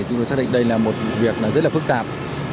chúng tôi xác định đây là một việc rất là phức tạp